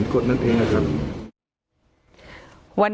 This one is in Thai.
ครับ